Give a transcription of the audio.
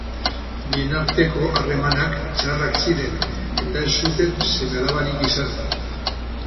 Bien arteko harremanak txarrak ziren eta ez zuten seme-alabarik izan.